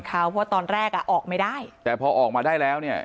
เพราะว่าตอนแรกอ่ะออกไม่ได้แต่พอออกมาได้แล้วเนี่ย